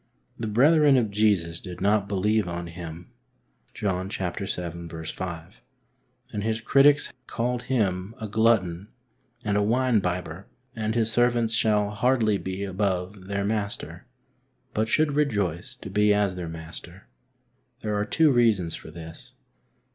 The brethren of Jesus did not believe on Him {John vii. 5), and His critics called Him a glutton and a wine bibber, and His servants shall hardly be above their Master, but should rejoice to be as their Master. There are two reasons for this.